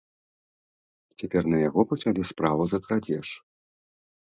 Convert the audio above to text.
Цяпер на яго пачалі справу за крадзеж.